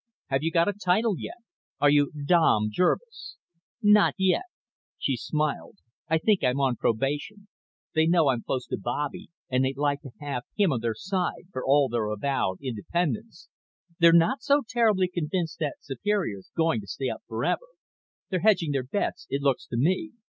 "Have you got a title yet? Are you Dame Jervis?" "Not yet." She smiled. "I think I'm on probation. They know I'm close to Bobby and they'd like to have him on their side, for all their avowed independence. They're not so terribly convinced that Superior's going to stay up forever. They're hedging their bets, it looks to me."